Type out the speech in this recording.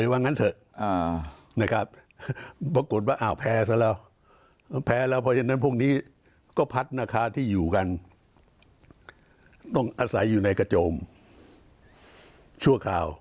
อ่านะครับปรากฏว่าอ่ะแพ้ซะแล้วแพ้แล้ว